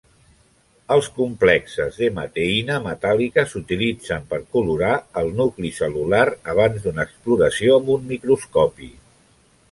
Els complexes d"haemateina metàl·lica s"utilitzen per colorar el nucli cel·lular abans d"una exploració amb un microscopi.